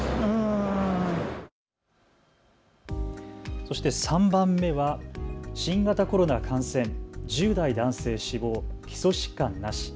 そして３番目は新型コロナ感染、１０代男性死亡、基礎疾患なし。